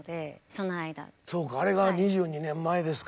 そうかあれが２２年前ですか。